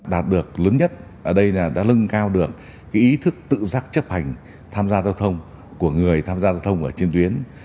đạt được lớn nhất ở đây là đã lưng cao được ý thức tự giác chấp hành tham gia giao thông của người tham gia giao thông trên tuyến